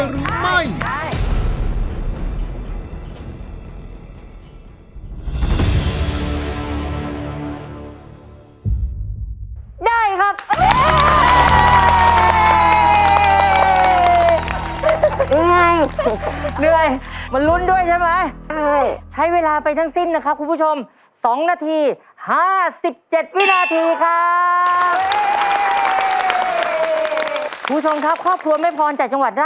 เร็วนับด้วยกี่กรัมเลยนะ